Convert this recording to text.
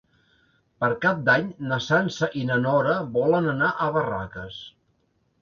Per Cap d'Any na Sança i na Nora volen anar a Barraques.